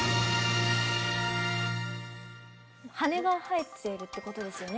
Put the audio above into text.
羽が生えているってことですよね？